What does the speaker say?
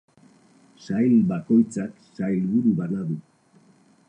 Sail bakoitzak sailburu bana du.